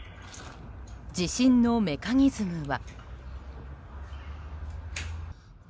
地震のメカニズムは。